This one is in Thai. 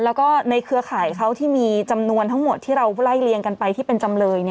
แล้วก็ในเครือข่ายเขาที่มีจำนวนทั้งหมดที่เราไล่เลียงกันไปที่เป็นจำเลย